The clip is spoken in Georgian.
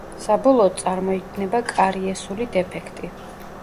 საბოლოოდ წარმოიქმნება კარიესული დეფექტი.